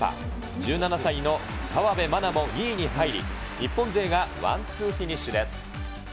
１７歳の河辺愛菜も２位に入り、日本勢がワンツーフィニッシュです。